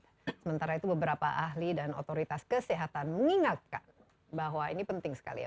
sementara itu beberapa ahli dan otoritas kesehatan mengingatkan bahwa ini penting sekali ya